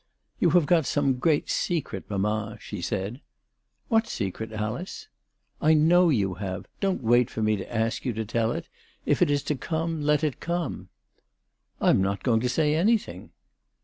" You have got some great secret, mamma," she said. "What secret, Alice?'' " I know you have. Don't wait for me to ask you to tell it. If it is to come, let it come." " I'm not going to say anything."